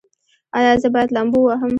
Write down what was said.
ایا زه باید لامبو ووهم؟